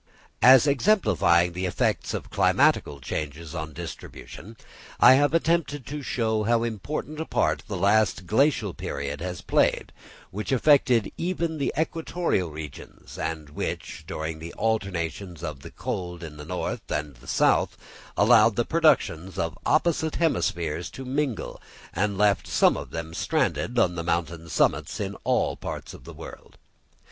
As exemplifying the effects of climatical changes on distribution, I have attempted to show how important a part the last Glacial period has played, which affected even the equatorial regions, and which, during the alternations of the cold in the north and the south, allowed the productions of opposite hemispheres to mingle, and left some of them stranded on the mountain summits in all parts of the world.